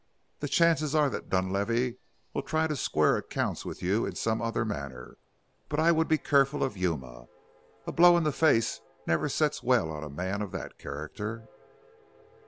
The chances are that Dunlavey will try to square accounts with you in some other manner, but I would be careful of Yuma a blow in the face never sets well on a man of that character."